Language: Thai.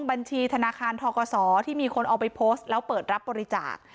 บัญชีธนาคารทกศที่มีคนเอาไปโพสต์แล้วเปิดรับบริจาค